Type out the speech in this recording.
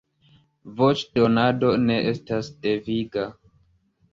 Voĉdonado ne estas deviga.